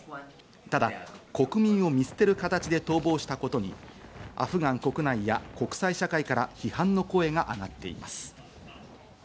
ただ、国民を見捨てる形で逃亡したことに、アフガン国内や国際社会から批判の声があがっています。